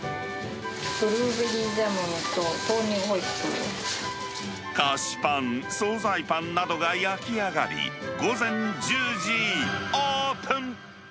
ブルーベリージャムに豆乳ホ菓子パン、総菜パンなどが焼き上がり、午前１０時オープン。